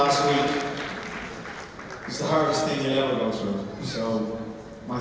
jadi pikiran saya dengan anda adalah anda adalah wanita yang sangat berani